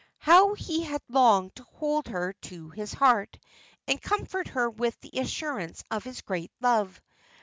How he had longed to hold her to his heart, and comfort her with the assurance of his great love!